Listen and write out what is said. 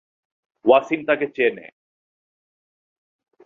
ওয়াসিম তাকে চিনে।